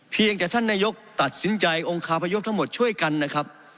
เพียงแต่ท่านนายกตัดสินใจองค์คาพยพทั้งหมดช่วยกันนะครับ